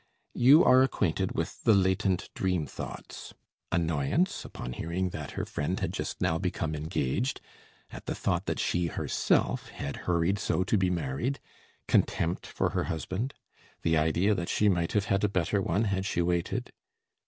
You are acquainted with the latent dream thoughts: annoyance, upon hearing that her friend had just now become engaged, at the thought that she herself had hurried so to be married; contempt for her husband; the idea that she might have had a better one had she waited.